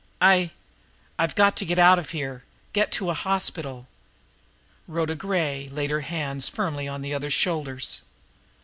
I I've got to get out of here get to a hospital." Rhoda Gray laid her hands firmly on the other's shoulders.